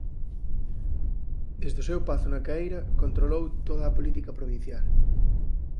Desde a seu pazo na Caeira controlou toda a política provincial.